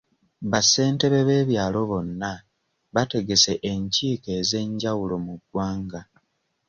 Ba ssentebe b'ebyalo bonna bategese enkiiko ez'enjawulo mu ggwanga.